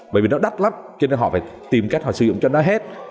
bởi vì nó đắt lắm cho nên họ phải tìm cách họ sử dụng cho nó hết